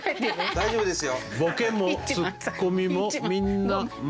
大丈夫ですよ。